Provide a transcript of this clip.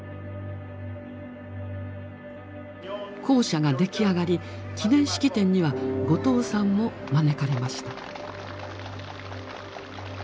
校舎が出来上がり記念式典には後藤さんも招かれました。